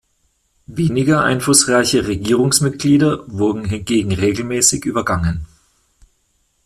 Weniger einflussreiche Regierungsmitglieder wurden hingegen regelmässig übergangen.